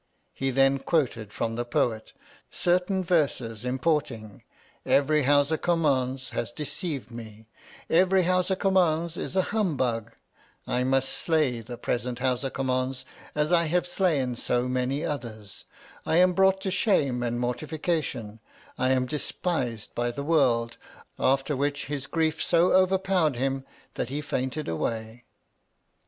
He then quoted from the Poet, certain verses import ing, Every Howsa Kummauns has deceived me, Every Howsa Kummauns is a Hum bug, I must slay the present Howsa Kum mauus as I have slain so many others, I am brought to shame and mortification, I am despised by the world. After which, his grief so overpowered him, that he fainted away.